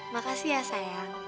makasih ya sayang